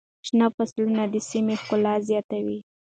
شنه فصلونه د سیمې ښکلا زیاتوي.